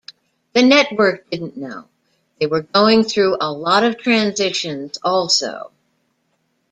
The network didn't know, they were going through a lot of transitions also.